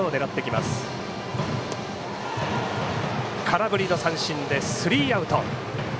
空振りの三振でスリーアウト。